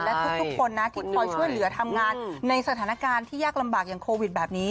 และทุกคนนะที่คอยช่วยเหลือทำงานในสถานการณ์ที่ยากลำบากอย่างโควิดแบบนี้